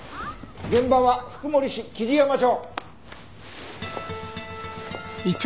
現場は福森市雉山町。